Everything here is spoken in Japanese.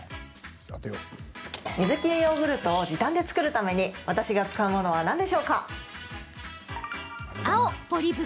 水切りヨーグルトを時短で作るために私が使うものは何でしょう？